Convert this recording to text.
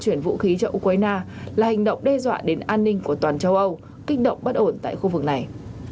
chuyển vũ khí cho ukraine là hành động đe dọa đến an ninh của toàn châu âu kích động bất ổn tại khu vực này